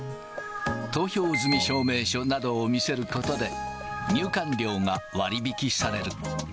投票済み証明書などを見せることで、入館料が割引きされる。